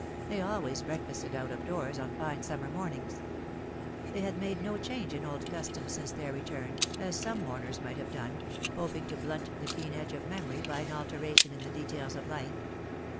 They always breakfasted out of doors on fine summer mornings. They had made no change in old customs since their return, as some mourners might have done, hoping to blunt the keen edge of memory by an alteration in the details of life.